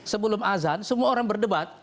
sebelum azan semua orang berdebat